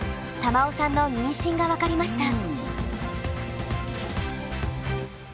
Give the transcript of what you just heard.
瑶生さんの妊娠が分かりました。